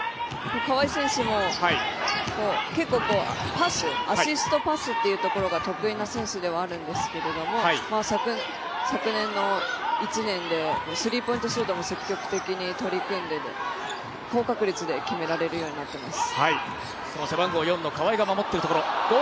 川井選手も、結構アシストパスっていうところが得意な選手ではあるんですけれども昨年の１年でスリーポイントシュートも積極的に取り組んで高確率で決められるようになっています。